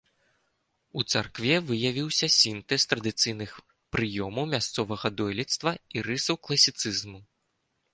У царкве выявіўся сінтэз традыцыйных прыёмаў мясцовага дойлідства і рысаў класіцызму.